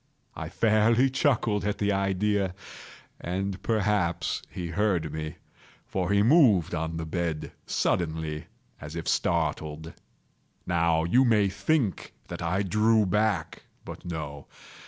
I fairly chuckled at the idea; and perhaps he heard me; for he moved on the bed suddenly, as if startled. Now you may think that I drew back—but no.